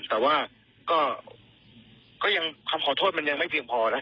แต่ว่าก็ยังคำขอโทษมันยังไม่เพียงพอนะ